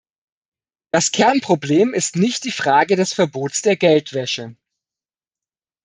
Das Kernproblem ist nicht die Frage des Verbots der Geldwäsche.